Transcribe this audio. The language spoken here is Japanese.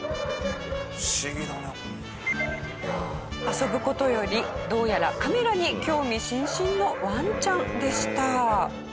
遊ぶ事よりどうやらカメラに興味津々のワンちゃんでした。